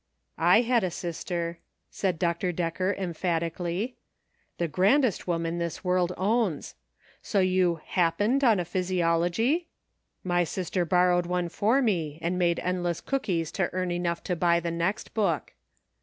"I had a sister," said Dr. Decker, emphatically; "the grandest woman this world owns. So you happened on a physiology ? My sister borrowed one for me, and made endless cookies to earn enough to buy the next book."